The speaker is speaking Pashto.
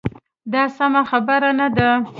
دا سمه خبره نه ده.